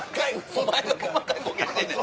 お前が細かいボケしてんねん。